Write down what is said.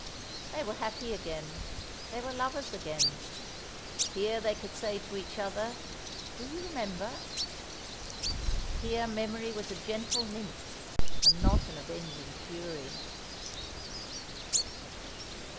They were happy again, they were lovers again. Here they could say to each other, "Do you remember?" Here memory was a gentle nymph, and not an avenging fury.